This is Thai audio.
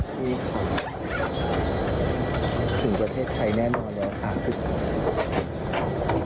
ที่ถึงประเทศไทยแน่นอนแล้วค่ะ